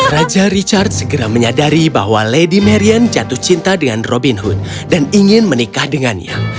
raja richard segera menyadari bahwa lady marian jatuh cinta dengan robin hood dan ingin menikah dengannya